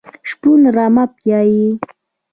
شپون رمه پيایي.